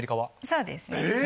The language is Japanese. そうですね。